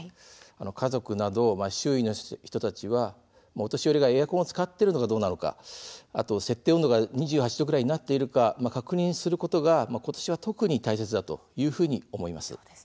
家族など周囲の人たちはお年寄りがエアコンを使っているか設定温度が２８度くらいになっているか確認することが今年は特に大切だというふうに思います。